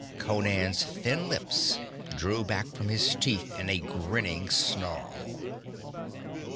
Conan's thin lips drew back from his teeth in a grinning snarl.